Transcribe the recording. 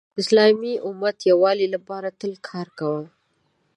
د اسلامی امت د یووالي لپاره تل کار کوه .